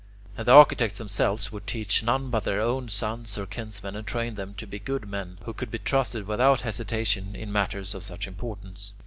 And the architects themselves would teach none but their own sons or kinsmen, and trained them to be good men, who could be trusted without hesitation in matters of such importance.